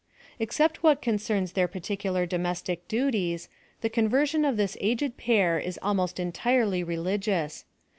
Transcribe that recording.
Except what concerns rheir particular domestic duties, the conversation of this aged pair is almost entirely religious.